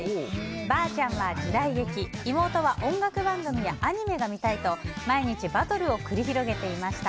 おばあちゃんは時代劇妹は音楽番組やアニメが見たいと毎日バトルを繰り広げていました。